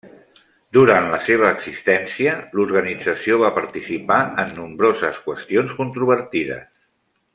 Durant la seva existència, l'organització va participar en nombroses qüestions controvertides.